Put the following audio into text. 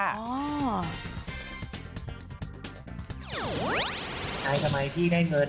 ไอ้สมัยที่ได้เงิน